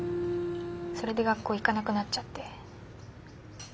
それで学校行かなくなっちゃって。